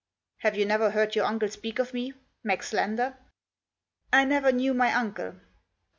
" Have you never heard your uncle speak of me — Max Lander ?"" I never knew my uncle."